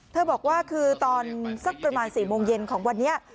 บอกว่าคือตอนสักประมาณ๔โมงเย็นของวันนี้